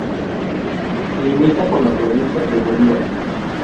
Limita con la provincia de Bolívar.